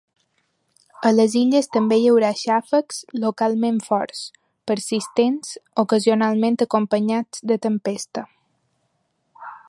A les Illes també hi haurà xàfecs localment forts, persistents, ocasionalment acompanyats de tempesta.